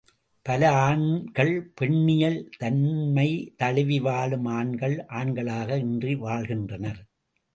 பல ஆண்கள் பெண்ணியல் தன்மை தழுவி வாழும் ஆணகள், ஆண்களாக இன்றி வாழ்கின்றனர்.